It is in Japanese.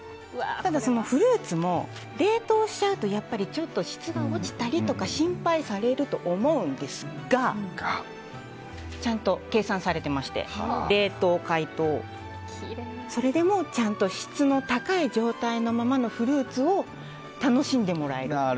ただフルーツも冷凍しちゃうとちょっと質が落ちたりとか心配されると思うんですがちゃんと計算されてまして冷凍、解凍、それでもちゃんと質の高い状態のままのフルーツを楽しんでもらえる。